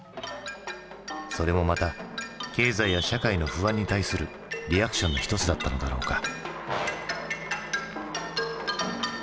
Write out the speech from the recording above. それもまた経済や社会の不安に対するリアクションの一つだったのだろうか。